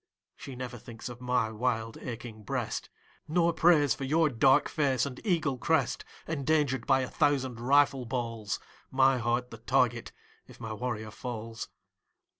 She never thinks of my wild aching breast, Nor prays for your dark face and eagle crest Endangered by a thousand rifle balls, My heart the target if my warrior falls.